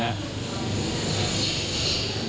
ใช่ครับ